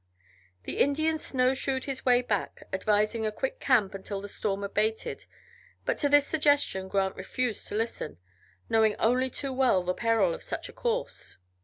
The Indian snowshoed his way back, advising a quick camp until the storm abated, but to this suggestion Grant refused to listen, knowing only too well the peril of such a course.